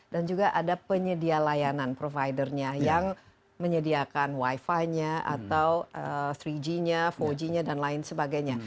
dan juga ada penyedia layanan provider nya yang menyediakan wifi nya atau tiga g nya empat g nya dan lain sebagainya